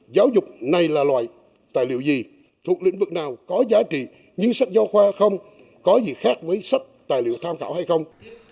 giáo dục này là loại tài liệu gì thuộc lĩnh vực nào có giá trị như sách giáo khoa không có gì khác với sách tài liệu tham khảo hay không